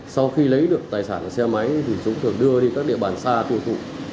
sau khi lấy được tài sản xe máy thì chúng thường đưa đi các địa bàn xa thu thụ